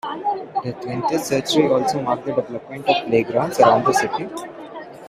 The twentieth century also marked the development of playgrounds around the city.